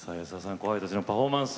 後輩たちのパフォーマンス